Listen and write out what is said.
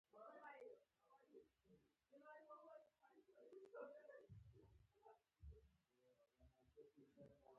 امیر دوست محمد خان په جلال اباد کې وو.